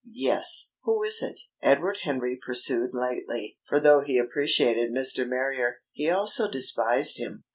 "Yes." "Who is it?" Edward Henry pursued lightly, for though he appreciated Mr. Marrier, he also despised him.